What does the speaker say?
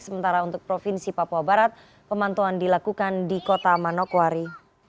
sementara untuk provinsi papua barat pemantauan dilakukan di kota manokwari